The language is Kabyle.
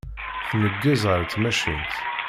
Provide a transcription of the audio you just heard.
Tneggez ɣer tmacint.